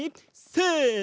せの。